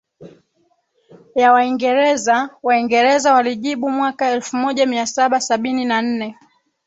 ya Waingereza Waingereza walijibu mwaka elfumoja miasaba sabini na nne